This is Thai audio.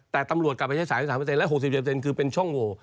แต่ตำรวจกลับไปใช้สายแบบ๓ประเภทแล้ว๖๐แบบเซ็นต์คือเป็นช่องโห่